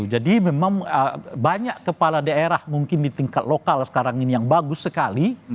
jadi memang banyak kepala daerah mungkin di tingkat lokal sekarang ini yang bagus sekali